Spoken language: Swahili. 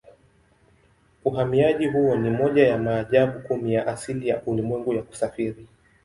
Uhamiaji huo ni moja ya maajabu kumi ya asili ya ulimwengu ya kusafiri.